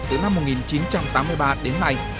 từ năm một nghìn chín trăm tám mươi ba đến nay